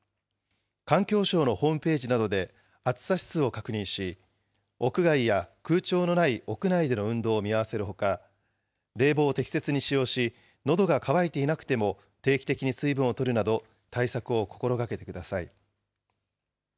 環境省のホームページなどで、暑さ指数を確認し、屋外や空調のない屋内での運動を見合わせるほか、冷房を適切に使用し、のどが渇いていなくても定期的に水分をとるなど、対策を心がけてください。